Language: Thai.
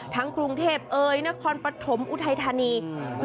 ทั้งกรุงเทพเอ๋ยนครปฐมอุทัยธานีอืม